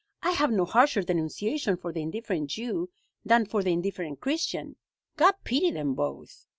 "I have no harsher denunciation for the indifferent Jew than for the indifferent Christian. God pity them both!